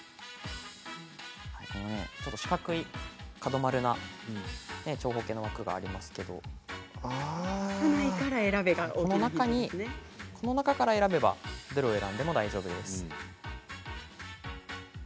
四角い長方形の枠がありますけれどもこの中から選べばどれを選んでも大丈夫です。